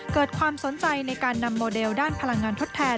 เกิดความสนใจในการนำโมเดลด้านพลังงานทดแทน